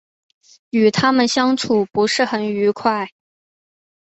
与他们相处不是很愉快